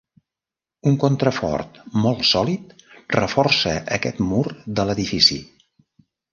Un contrafort molt sòlid reforça aquest mur de l'edifici.